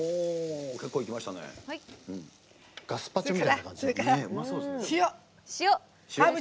ガスパチョみたいな感じ。